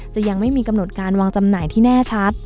ยังไม่มีกำหนดการวางจำหน่ายที่แน่ชัด